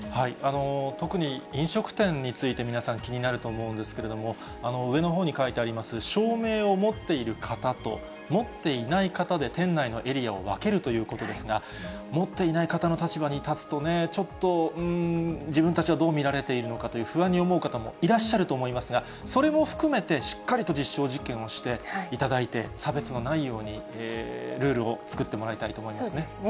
特に飲食店について、皆さん、気になると思うんですけれども、上のほうに書いてあります証明を持っている方と、持っていない方で店内のエリアを分けるということですが、持っていない方の立場に立つとね、ちょっと、うーん、自分たちはどう見られているのかと不安に思う方もいらっしゃると思いますが、それも含めてしっかりと実証実験をしていただいて、差別のないようにルールを作ってもらいたいと思いますね。